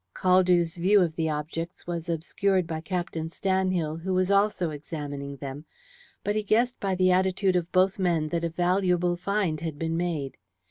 Caldew's view of the objects was obscured by Captain Stanhill, who was also examining them, but he guessed by the attitude of both men that a valuable find had been made.